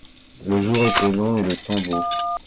le jour était long et le temps beau.